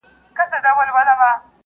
سلطانان یې دي په لومو کي نیولي؛